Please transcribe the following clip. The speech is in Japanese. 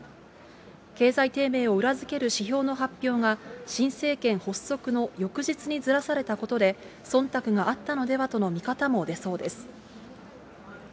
経済低迷を裏付ける指標の発表が新政権発足の翌日にずらされたことで、そんたくがあったのではとの見方も出そうです。